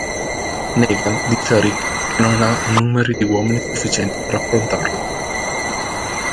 Negan dice a Rick che non ha numeri di uomini sufficienti per affrontarlo.